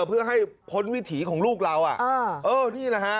เพื่อให้พ้นวิถีของลูกเรานี่แหละ